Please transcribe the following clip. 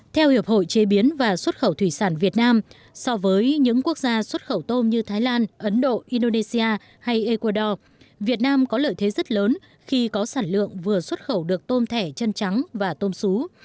theo hiệp hội chế biến và xuất khẩu thủy sản việt nam so với những quốc gia xuất khẩu tôm như thái lan ấn độ indonesia hay ecuador việt nam có lợi thế rất lớn khi có sản lượng vừa xuất khẩu được tôm thẻ chân trắng và tôm xú